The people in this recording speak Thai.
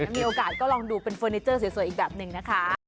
มีโอกาสก็ลองดูเป็นเฟอร์นิเจอร์สวยอีกแบบหนึ่งนะคะ